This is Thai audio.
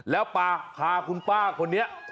แล้วปลาพาคุณป้าคนนี้